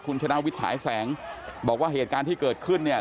คุณชนะวิทย์ฉายแสงบอกว่าเหตุการณ์ที่เกิดขึ้นเนี่ย